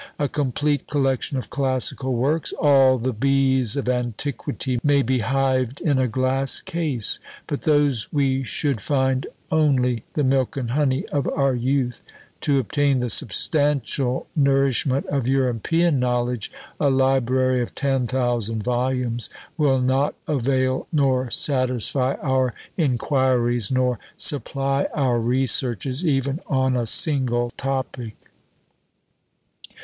A complete collection of classical works, all the bees of antiquity, may be hived in a glass case; but those we should find only the milk and honey of our youth; to obtain the substantial nourishment of European knowledge, a library of ten thousand volumes will not avail nor satisfy our inquiries, nor supply our researches even on a single topic!